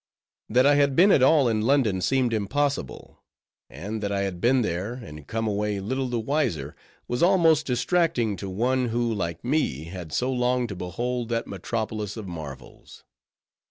That I had been at all in London seemed impossible; and that I had been there, and come away little the wiser, was almost distracting to one who, like me, had so longed to behold that metropolis of marvels.